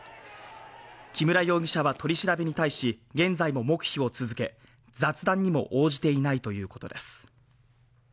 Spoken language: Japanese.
木村容疑者は取り調べに対し、現在も黙秘を続け、雑談にも応じていないということです。